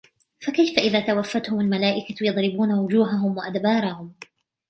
فَكَيْفَ إِذَا تَوَفَّتْهُمُ الْمَلَائِكَةُ يَضْرِبُونَ وُجُوهَهُمْ وَأَدْبَارَهُمْ